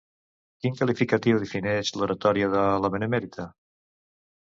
Quin qualificatiu defineix l'oratòria de la Benemèrita?